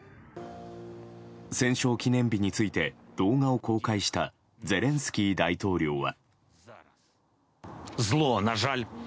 戦勝記念日について動画を公開したゼレンスキー大統領は。